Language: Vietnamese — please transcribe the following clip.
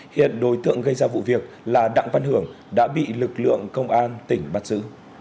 hiện đối tượng gây ra vụ việc là đặng văn hưởng đã bị lực lượng công an tỉnh bắt giữ